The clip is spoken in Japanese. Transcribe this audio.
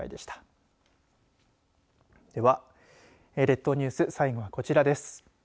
では、列島ニュース最後は、こちらです。